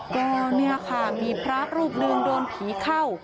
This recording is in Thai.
ก็เนี่ยค่ะมีพระรูปหนึ่งโดนผีเข้า